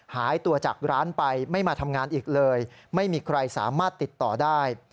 หายตัวจากร้านไปไม่มาทำงานอีกเลยไม่มีใครสามารถติดต่อได้